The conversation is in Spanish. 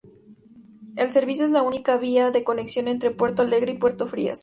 El servicio es la única vía de conexión entre Puerto Alegre y Puerto Frías.